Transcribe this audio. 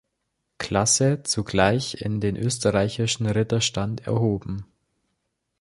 Klasse zugleich in den österreichischen Ritterstand erhoben.